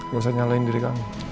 gak usah nyalain diri kamu